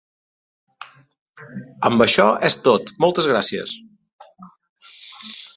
Amb això és tot, moltes gràcies!